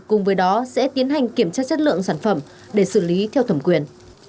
cùng với đó sẽ tiến hành kiểm tra chất lượng sản phẩm để xử lý theo thẩm quyền